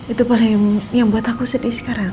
itu paling yang buat aku sedih sekarang